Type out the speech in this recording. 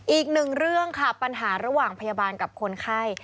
อีกหนึ่งเรื่องค่ะปัญหาระหว่างพยาบาลกับคนไข้